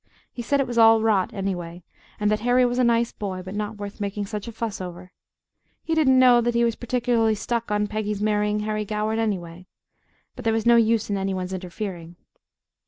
He said it was all rot, anyway, and that Harry was a nice boy, but not worth making such a fuss over. He didn't know that he was particularly stuck on Peggy's marrying Harry Goward, anyway but there was no use in any one's interfering.